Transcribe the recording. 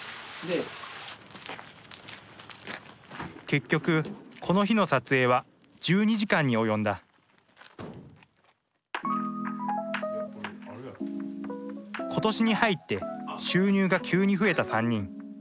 結局この日の撮影は１２時間に及んだ今年に入って収入が急に増えた３人。